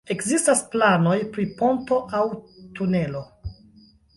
Ekzistas planoj pri ponto aŭ tunelo.